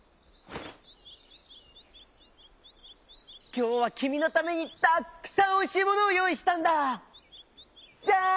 「きょうはきみのためにたっくさんおいしいものをよういしたんだ！じゃん！」。